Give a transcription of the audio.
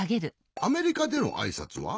アメリカでのあいさつは？